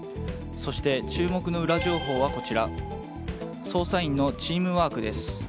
そして注目のウラ情報は捜査員のチームワークです。